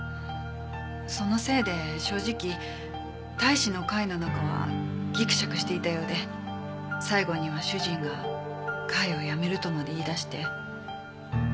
そのせいで正直隊士の会の中はギクシャクしていたようで最後には主人が会を辞めるとまで言い出して。